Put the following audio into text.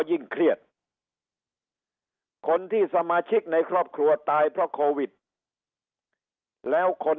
ยิ่งเครียดคนที่สมาชิกในครอบครัวตายเพราะโควิดแล้วคน